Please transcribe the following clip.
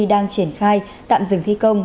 đang triển khai tạm dừng thi công